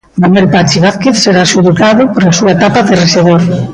Manuel Pachi Vázquez será xulgado pola súa etapa de rexedor.